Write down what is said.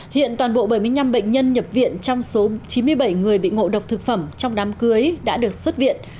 hiện toàn bộ bảy mươi năm bệnh nhân nhập viện trong số chín mươi bảy người bị ngộ độc thực phẩm trong đám cưới đã được xuất viện